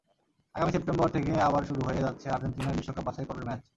আগামী সেপ্টেম্বর থেকে আবার শুরু হয়ে যাচ্ছে আর্জেন্টিনার বিশ্বকাপ বাছাইপর্বের ম্যাচ।